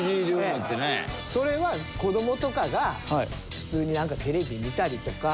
それは子どもとかが普通になんかテレビ見たりとか。